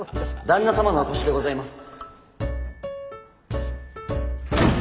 旦那様のお越しでございます。